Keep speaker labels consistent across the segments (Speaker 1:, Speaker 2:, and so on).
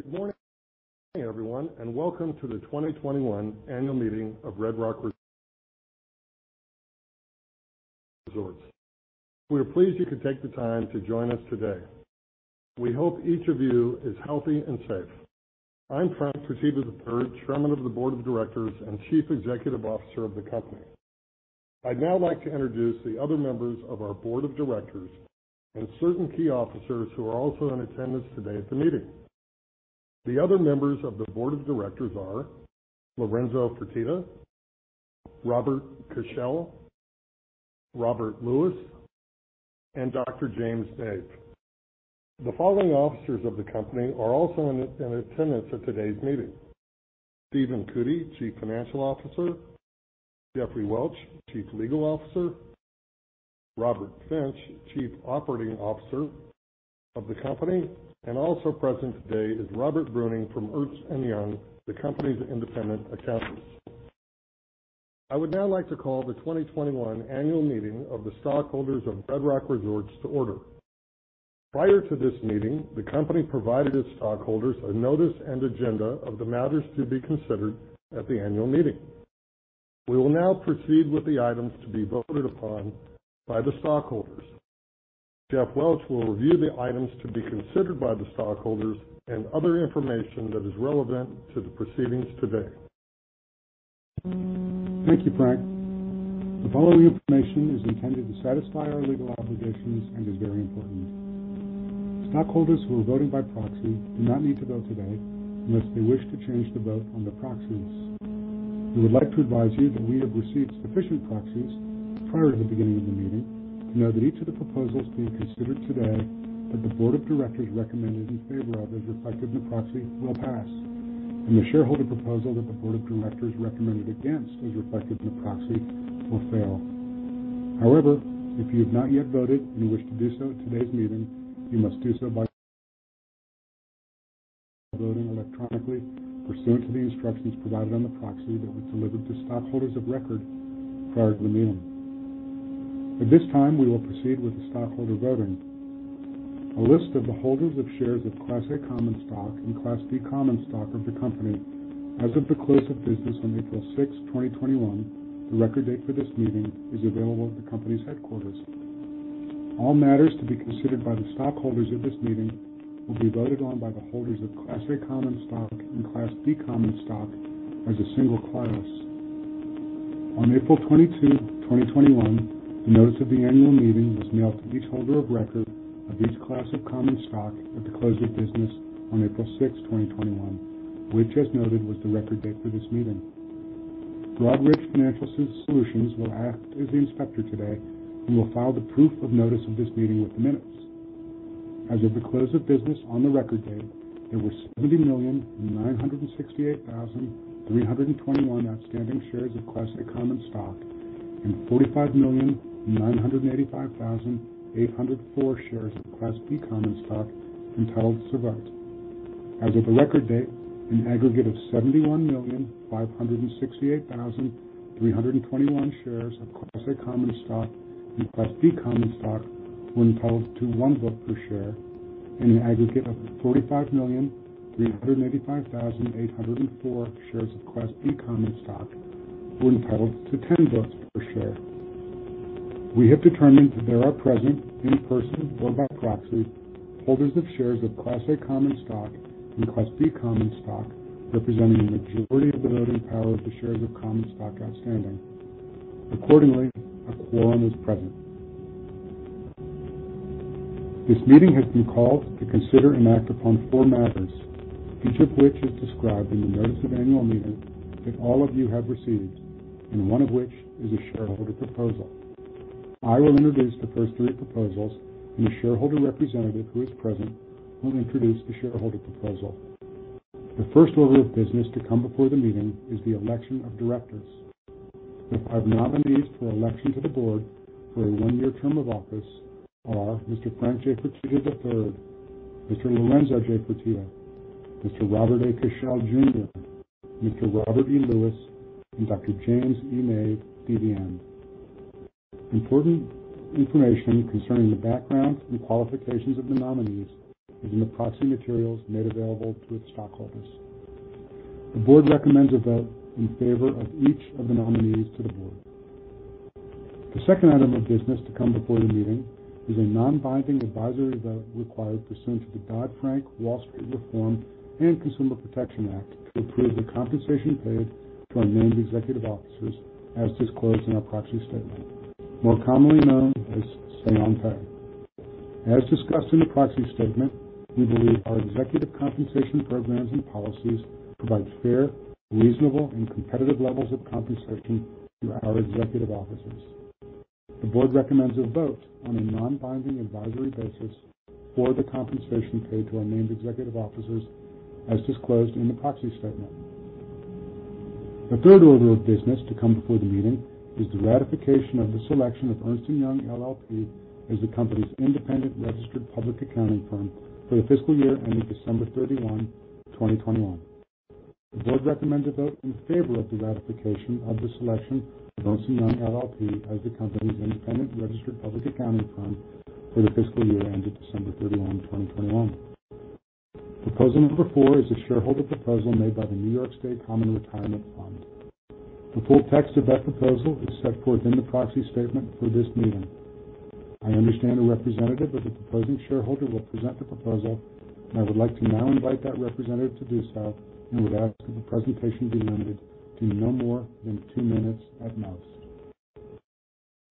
Speaker 1: Good morning, everyone, welcome to the 2021 annual meeting of Red Rock Resorts. We are pleased you could take the time to join us today. We hope each of you is healthy and safe. I'm Frank Fertitta III, Chairman of the Board of Directors and Chief Executive Officer of the company. I'd now like to introduce the other members of our board of directors and certain key officers who are also in attendance today at the meeting. The other members of the Board of Directors are Lorenzo Fertitta, Robert Cashell, Robert Lewis, and Dr. James Nave. The following officers of the company are also in attendance at today's meeting. Stephen Cootey, Chief Financial Officer, Jeffrey Welch, Chief Legal Officer, Robert Finch, Chief Operating Officer of the company, also present today is Robert Bruning from Ernst & Young, the company's independent accountants. I would now like to call the 2021 Annual Meeting of the stockholders of Red Rock Resorts to order. Prior to this meeting, the company provided its stockholders a notice and agenda of the matters to be considered at the annual meeting. We will now proceed with the items to be voted upon by the stockholders. Jeff Welch will review the items to be considered by the stockholders and other information that is relevant to the proceedings today.
Speaker 2: Thank you, Frank. The following information is intended to satisfy our legal obligations and is very important. Stockholders who are voting by proxy do not need to vote today unless they wish to change the vote on the proxies. We would like to advise you that we have received sufficient proxies prior to the beginning of the meeting to know that each of the proposals being considered today that the Board of Director you recommended in favor of, as reflected in the proxy, will pass, and the shareholder proposal that the Board of Directors recommended against, as reflected in the proxy, will fail. However, if you have not yet voted and wish to do so at today's meeting, you must do so by voting electronically pursuant to the instructions provided on the proxy that was delivered to stockholders of record prior to the meeting. At this time, we will proceed with the stockholder voting. A list of the holders of shares of Class A common stock and Class B common stock of the company, as of the close of business on April 6, 2021, the record date for this meeting, is available at the company's headquarters. All matters to be considered by the stockholders at this meeting will be voted on by the holders of Class A common stock and Class B common stock as a single class. On April 22, 2021, notice of the annual meeting was mailed to each holder of record of each class of common stock at the close of business on April 6, 2021, which, as noted, was the record date for this meeting. Broadridge Financial Solutions will act as the inspector today and will file the proof of notice of this meeting with minutes. As of the close of business on the record date, there were 70,968,321 outstanding shares of Class A common stock, and 45,985,804 shares of Class B common stock entitled to vote. As of the record date, an aggregate of 71,568,321 shares of Class A common stock and Class B common stock were entitled to one vote per share, and an aggregate of 45,385,804 shares of Class B common stock were entitled to 10 votes per share. We have determined that there are present, in person or by proxy, holders of shares of Class A common stock, and Class B common stock representing a majority of the voting power of the shares of common stock outstanding. Accordingly, a quorum is present. This meeting has been called to consider and act upon four matters, each of which is described in the notice of annual meeting that all of you have received, and one of which is a shareholder proposal. I will introduce the first three proposals, and a shareholder representative who is present will introduce the shareholder proposal. The first order of business to come before the meeting is the Election of Directors. The five nominees for election to the board for a one-year term of office are Mr. Frank J. Fertitta III, Mr. Lorenzo J. Fertitta, Mr. Robert A. Cashell, Jr., Mr. Robert E. Lewis, and Dr. James E. Nave, DVM. Important information concerning the backgrounds and qualifications of the nominees is in the proxy materials made available to its stockholders. The board recommends a vote in favor of each of the nominees to the board. The second item of business to come before the meeting is a non-binding advisory vote required pursuant to the Dodd-Frank Wall Street Reform and Consumer Protection Act to approve the compensation paid to our named executive officers, as disclosed in our proxy statement, more commonly known as Say on Pay. As discussed in the proxy statement, we believe our executive compensation programs and policies provide fair, reasonable, and competitive levels of compensation to our executive officers. The board recommends a vote on a non-binding advisory basis for the compensation paid to our named executive officers, as disclosed in the proxy statement. The third order of business to come before the meeting is the ratification of the selection of Ernst & Young LLP as the company's independent registered public accounting firm for the fiscal year ending December 31, 2021. The board recommends a vote in favor of the ratification of the selection of Ernst & Young LLP as the company's independent registered public accounting firm for the fiscal year ended December 31, 2021. Proposal number four is a shareholder proposal made by the New York State Common Retirement Fund. The full text of that proposal is set forth in the proxy statement for this meeting. I understand a representative of the proposing shareholder will present the proposal, and I would like to now invite that representative to do so and would ask that the presentation be limited to no more than two minutes at most.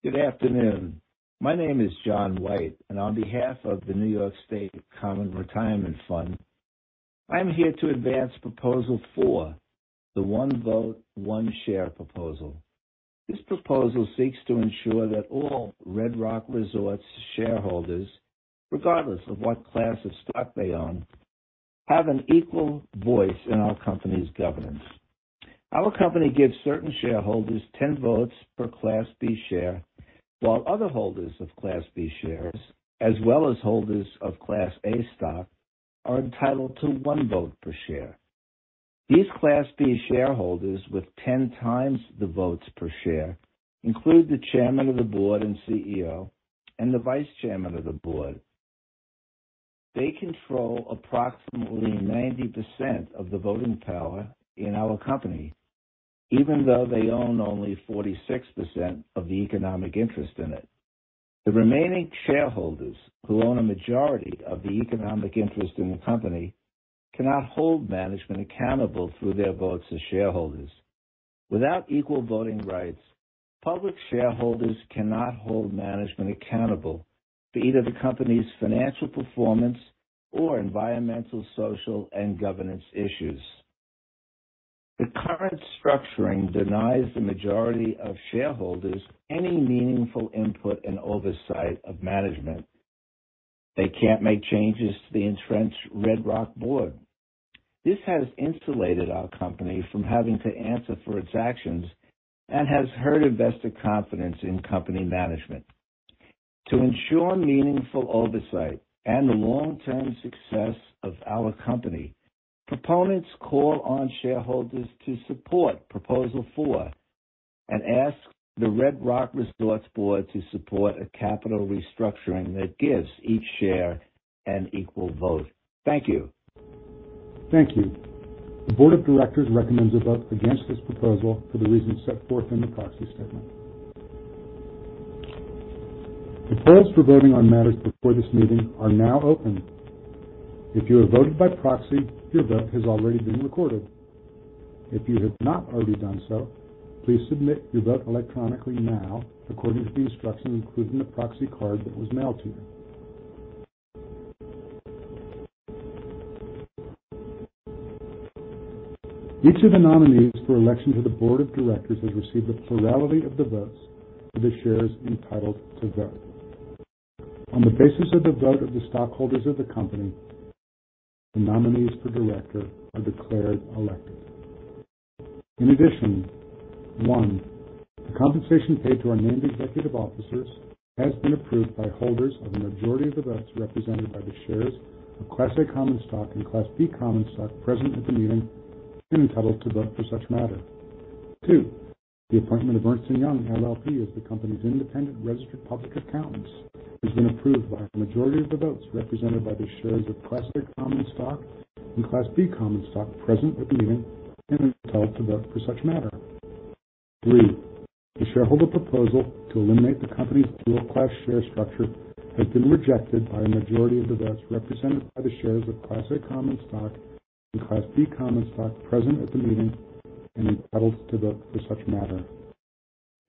Speaker 3: Good afternoon. My name is John White. On behalf of the New York State Common Retirement Fund, I'm here to advance proposal four, the one vote, one share proposal. This proposal seeks to ensure that all Red Rock Resorts shareholders, regardless of what class of stock they own, have an equal voice in our company's governance. Our company gives certain shareholders 10 votes per Class B share, while other holders of Class B shares, as well as holders of Class A stock, are entitled to one vote per share. These Class B shareholders with 10 times the votes per share include the Chairman of the Board and CEO and the Vice Chairman of the Board. They control approximately 90% of the voting power in our company, even though they own only 46% of the economic interest in it. The remaining shareholders, who own a majority of the economic interest in the company, cannot hold management accountable through their votes as shareholders. Without equal voting rights, public shareholders cannot hold management accountable for either the company's financial performance or environmental, social, and governance issues. The current structuring denies the majority of shareholders any meaningful input and oversight of management. They can't make changes to the entrenched Red Rock board. This has insulated our company from having to answer for its actions and has hurt investor confidence in company management. To ensure meaningful oversight and the long-term success of our company, proponents call on shareholders to support proposal four and ask the Red Rock Resorts board to support a capital restructuring that gives each share an equal vote. Thank you.
Speaker 2: Thank you. The Board of Directors recommends a vote against this proposal for the reasons set forth in the proxy statement. The polls for voting on matters before this meeting are now open. If you have voted by proxy, your vote has already been recorded. If you have not already done so, please submit your vote electronically now according to the instructions included in the proxy card that was mailed to you. Each of the nominees for election to the Board of Directors has received a plurality of the votes for the shares entitled to vote. On the basis of the vote of the stockholders of the company, the nominees for Director are declared elected. In addition, one, the compensation paid to our named executive officers has been approved by holders of a majority of the votes represented by the shares of Class A common stock and Class B common stock present at the meeting and entitled to vote for such matter. Two, the appointment of Ernst & Young LLP as the company's independent registered public accountants has been approved by a majority of the votes represented by the shares of Class A common stock and Class B common stock present at the meeting and entitled to vote for such matter. Three, the shareholder proposal to eliminate the company's dual-class share structure has been rejected by a majority of the votes represented by the shares of Class A common stock and Class B common stock present at the meeting and entitled to vote for such matter.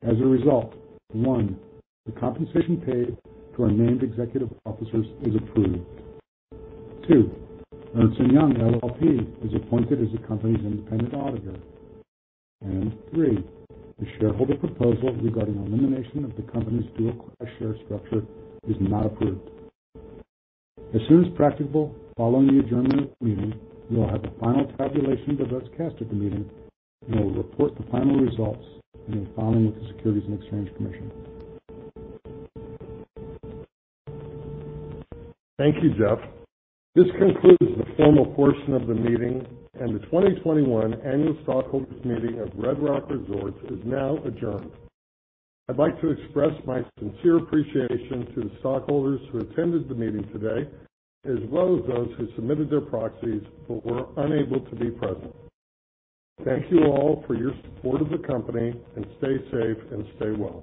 Speaker 2: As a result, one, the compensation paid to our named executive officers is approved. Two, Ernst & Young LLP is appointed as the company's independent auditor. And three, the shareholder proposal regarding elimination of the company's dual-class share structure is not approved. As soon as practicable following the adjournment of the meeting, we will have a final tabulation of the votes cast at the meeting, and we will report the final results and then file them with the Securities and Exchange Commission.
Speaker 1: Thank you, Jeff. This concludes the formal portion of the meeting, and the 2021 Annual Stockholders Meeting of Red Rock Resorts is now adjourned. I'd like to express my sincere appreciation to the stockholders who attended the meeting today, as well as those who submitted their proxies but were unable to be present. Thank you all for your support of the company, and stay safe and stay well.